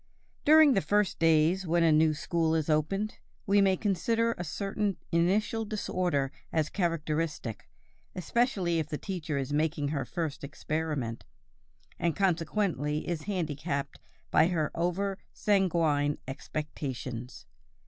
During the first days when a new school is opened, we may consider a certain initial disorder as characteristic, especially if the teacher is making her first experiment, and consequently is handicapped by her over sanguine expectations.